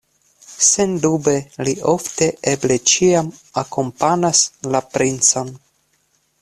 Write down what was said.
Sendube li ofte, eble ĉiam akompanas la princon.